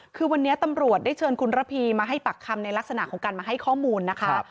คือวันนี้ตำรวจได้เชิญคุณระพีมาให้ปากคำในลักษณะของการมาให้ข้อมูลนะคะ